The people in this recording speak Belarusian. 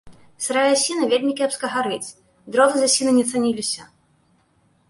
Сырая асіна вельмі кепска гарыць, дровы з асіны не цаніліся.